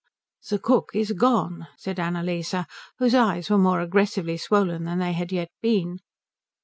"The cook is gone," said Annalise, whose eyes were more aggressively swollen than they had yet been.